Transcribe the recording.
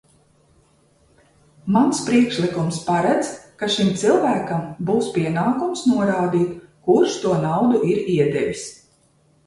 Mans priekšlikums paredz, ka šim cilvēkam būs pienākums norādīt, kurš to naudu ir iedevis.